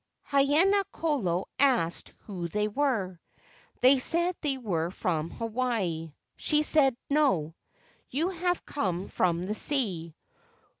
Haina kolo asked who they were. They said they were from Hawaii. She said, "No, you have come from the sea."